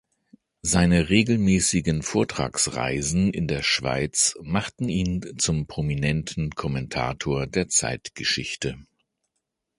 Seine regelmässigen Vortragsreisen in der Schweiz machten ihn zum prominenten Kommentator der Zeitgeschichte.